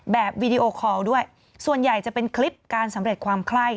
วีดีโอคอลด้วยส่วนใหญ่จะเป็นคลิปการสำเร็จความไข้